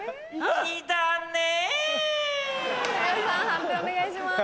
判定お願いします。